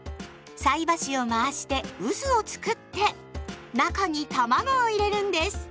菜箸を回して渦をつくって中にたまごを入れるんです。